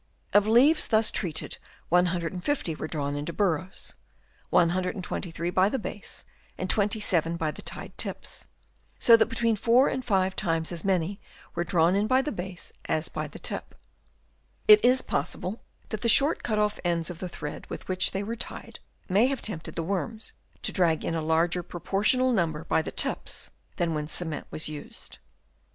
Of leaves thus treated 150 were drawn into burrows — 123 by the base and 27 by the tied tips ; so that between four and five times as many were drawn in by the base as by the tip. It is possible that the short cut off ends of the thread with which they were tied, may have tempted the worms to drag in a larger propor tional number by the tips than when cement was used.